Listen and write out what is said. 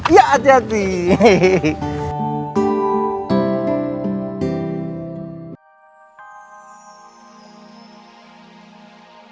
iya oma sarah